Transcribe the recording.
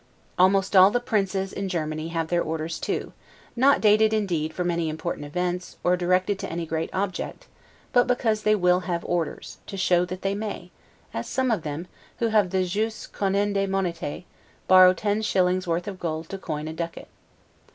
Almost all the princes in Germany have their Orders too; not dated, indeed, from any important events, or directed to any great object, but because they will have orders, to show that they may; as some of them, who have the 'jus cudendae monetae', borrow ten shillings worth of gold to coin a ducat.